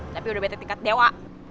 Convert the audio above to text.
tapi udah beda tingkat dewa